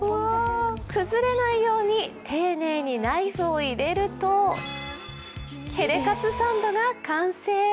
崩れないように丁寧にナイフを入れると、ヘレカツサンドが完成。